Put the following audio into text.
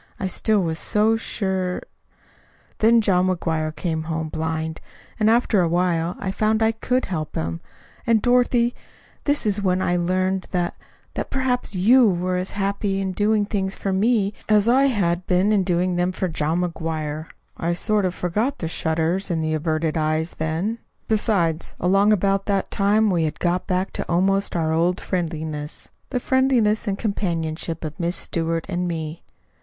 I still was so sure "Then John McGuire came home blind; and after a while I found I could help him. And, Dorothy, then is when I learned that that perhaps YOU were as happy in doing things for me as I had been in doing them for John McGuire. I sort of forgot the shudders and the averted eyes then. Besides, along about that time we had got back to almost our old friendliness the friendliness and companionship of Miss Stewart and me.